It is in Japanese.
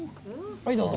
はいどうぞ。